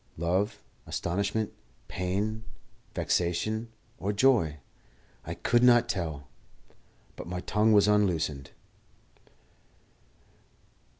Love, astonishment, pain, vexation, or joy? I could not tell; but my tongue was unloosed.